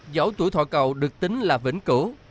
dẫu tuổi thọ cầu được tính là vĩnh cửu